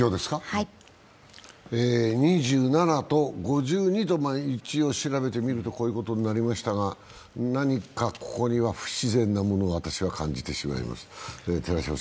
２７と５２と、一応調べてみるとこういうことになりましたが何か、ここには不自然なものを私は感じてしまいます。